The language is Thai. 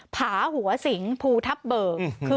ขาหัวสิงภูทักเบอร์